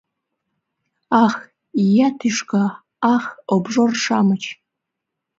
— Ах, ия тӱшка, ах обжор-шамыч.